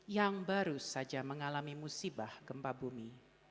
yang baru saja mengalami musibah gempa bumi